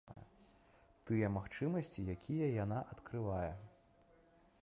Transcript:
Тыя магчымасці, якія яна адкрывае.